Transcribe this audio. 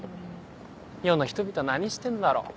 世の人々は何してんだろ。